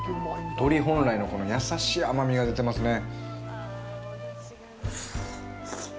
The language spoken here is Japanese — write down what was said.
鶏本来の優しい甘みが出てますね。